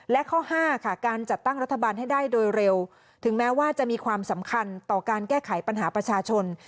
และข้อห้าค่ะการจัดตั้งรัฐบาลให้ได้โดยเร็วถึงแม้ว่าจะมีความสำคัญต่อการแก้ไขปัญหาประชาชน